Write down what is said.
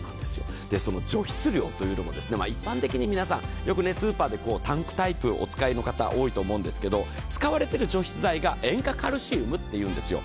その除湿量というのも、一般的に、よくスーパーでタンクタイプをお使いの方、多いと思うんですけど、使われてる除湿剤が塩化カルシウムっていうんですよ。